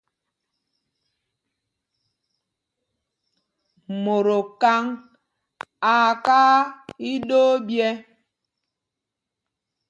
Mot okaŋ aa kaa iɗoo ɓyɛ́.